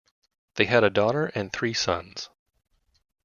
They had a daughter and three sons.